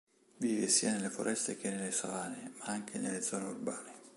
Vive sia nelle foreste che nelle savane, ma anche nelle zone urbane.